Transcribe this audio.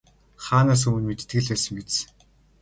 Хаанаас өмнө мэддэг л байсан биз.